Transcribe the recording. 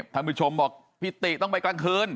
ท่านผู้ชมบอกพี่ติต้องไปกลางคืน